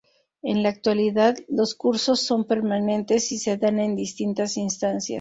En la actualidad los cursos son permanentes y se dan en distintas instancias.